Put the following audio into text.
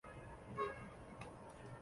行政中心位于阿姆施泰滕。